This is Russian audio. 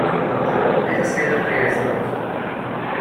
Это следует приветствовать.